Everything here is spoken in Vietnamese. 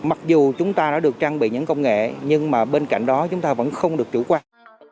mặc dù chúng ta đã được trang bị những công nghệ nhưng mà bên cạnh đó chúng ta vẫn không được chủ quan